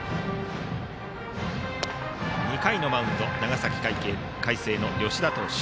２回のマウンド、長崎・海星の吉田投手。